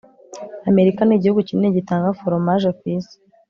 amerika n'igihugu kinini gitanga foromaje ku isi